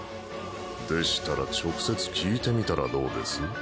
でしたら直接聞いてみたらどうです？